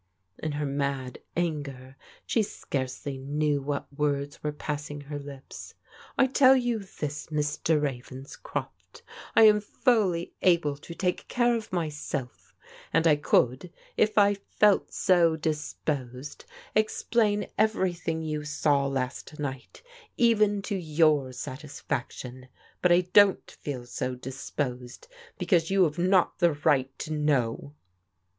In her mad anger she scarcely knew what words were pass^ ing her lips. " I tell you this, Mr. Ravenscroft, I am fully able to take care of myself, and I could, if I fdt so disposed, explain everything you saw last night, even to your satisfaction. But I don't feel so disposed, because you have not the right to know.